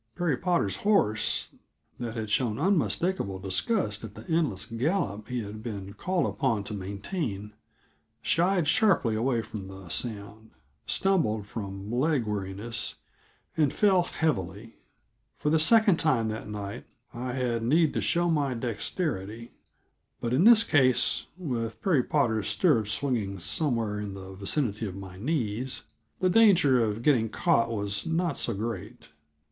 Perry Potter's horse, that had shown unmistakable symptoms of disgust at the endless gallop he had been called upon to maintain, shied sharply away from the sound, stumbled from leg weariness, and fell heavily; for the second time that night I had need to show my dexterity but, in this case, with Perry Potter's stirrups swinging somewhere in the vicinity of my knees, the danger of getting caught was not so great.